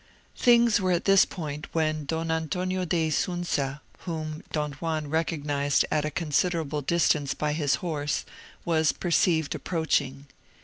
Things were at this point when Don Antonio de Isunza, whom Don Juan recognised at a considerable distance by his horse, was perceived approaching.